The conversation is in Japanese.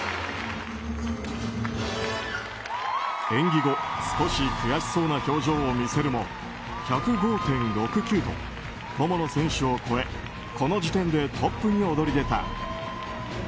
演技後少し悔しそうな表情を見せるも１０５．６９と友野選手を超えこの時点でトップに躍り出た。